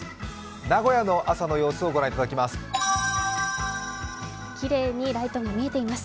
名古屋の朝の様子を御覧いただきます。